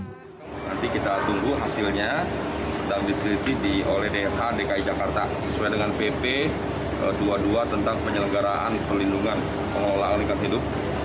nanti kita tunggu hasilnya sedang diteliti oleh dr dki jakarta sesuai dengan pp dua puluh dua tentang penyelenggaraan pelindungan pengelolaan lingkungan hidup